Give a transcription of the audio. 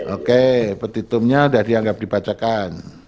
oke petitumnya sudah dianggap dibacakan